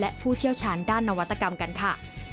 และผู้เชี่ยวชาญด้านนวัตกรรมกันค่ะ